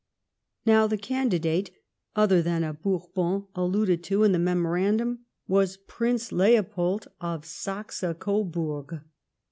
ISfow, the candidate other than a Bourbon alluded to in the memorandum was Prince Leopold of Saxe Goburg.